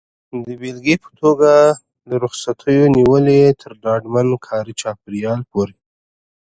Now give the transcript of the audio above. د بېلګې په توګه له رخصتیو نیولې تر ډاډمن کاري چاپېریال پورې.